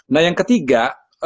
nah yang ketiga